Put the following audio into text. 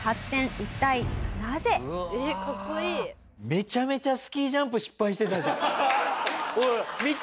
めちゃめちゃスキージャンプ失敗してたじゃん。